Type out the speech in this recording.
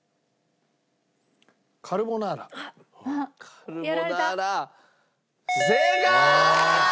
カルボナーラ正解！